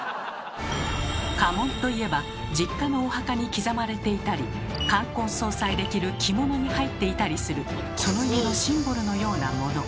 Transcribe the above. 家紋といえば実家のお墓に刻まれていたり冠婚葬祭で着る着物に入っていたりするその家のシンボルのようなもの。